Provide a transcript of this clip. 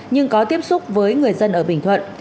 nhưng có tiếp xúc với người dân ở bình thuận